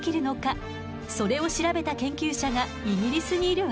それを調べた研究者がイギリスにいるわ。